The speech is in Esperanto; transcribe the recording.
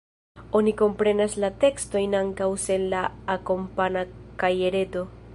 Oni komprenas la tekstojn ankaŭ sen la akompana kajereto.